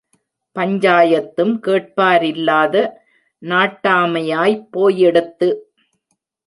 பஞ்சாயத்தும் கேட்பாரில்லாத நாட்டாமயாப் போயிடுத்து.